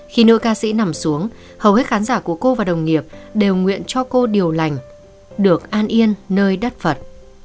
khi nữ ca sĩ nằm xuống hầu hết khán giả của cô và đồng nghiệp đều nguyện cho cô điều lành được an yên nơi đất phật